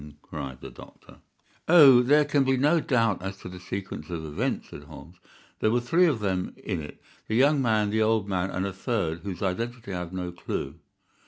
cried the doctor. "Oh, there can be no doubt as to the sequence of events," said Holmes. "There were three of them in it: the young man, the old man, and a third, to whose identity I have no clue.